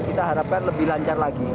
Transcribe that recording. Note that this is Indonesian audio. kita harapkan lebih lancar lagi